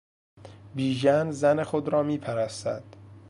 بیژن زن خود را میپرستد.